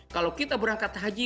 kalau kita berangkat haji